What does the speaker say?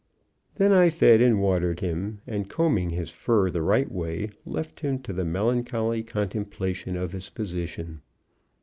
Then I fed and watered him, and combing his fur the right way, left him to the melancholy contemplation of his position.